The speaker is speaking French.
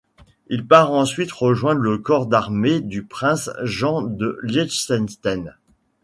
Il part ensuite rejoindre le corps d'armée du prince Jean de Liechtenstein.